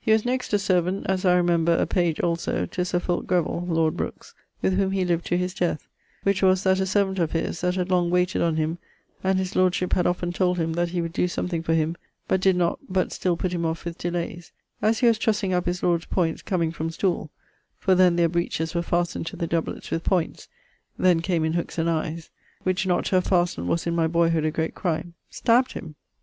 He was next a servant (as I remember, a page also) to Sir Fulke Grevil lord Brookes, with whom he lived to his death, which was that a servant of his (that had long wayted on him and his lordship had often told him that he would doe something for him, but did not but still putt him off with delayes) as he was trussing up his lord's pointes comeinge from stoole (for then their breeches were fastned to the doubletts with points then came in hookes and eies which not to have fastened was in my boy hood a great crime) stabbed him.